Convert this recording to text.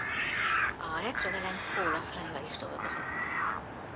A Retroval and Paola Franival is dolgozott.